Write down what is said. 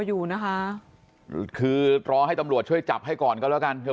อยู่นะคะคือรอให้ตำรวจช่วยจับให้ก่อนก็แล้วกันเธอ